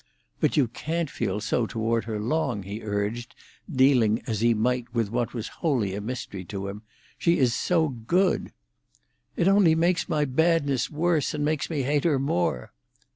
"But you can't feel so toward her long," he urged, dealing as he might with what was wholly a mystery to him. She is so good—" "It only makes my badness worse, and makes me hate her more."